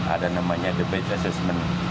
ada namanya debate assessment